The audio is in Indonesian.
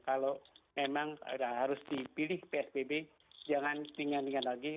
kalau memang harus dipilih psbb jangan tingan tingan lagi